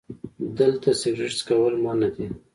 🚭 دلته سګرټ څکل منع دي